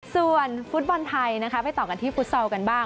ส่วนฟุตบอลไทยนะคะไปต่อกันที่ฟุตซอลกันบ้าง